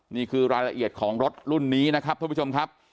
นี่คือรายละเอียดของรถรุ่นนี้นะครับท่านผู้ชมครับ